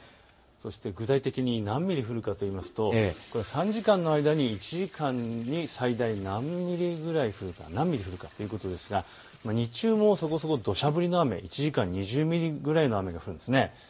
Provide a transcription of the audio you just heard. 具体的に何ミリ降るかというと３時間の間に１時間最大に何ミリぐらい降るかということですが日中もそこそこ土砂降りの雨、１時間に２０ミリ位の雨が降るんです。